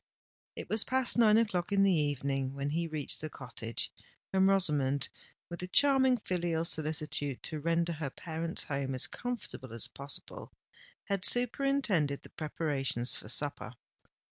It was past nine o'clock in the evening when he reached the cottage; and Rosamond, with a charming filial solicitude to render her parent's home as comfortable as possible, had superintended the preparations for supper.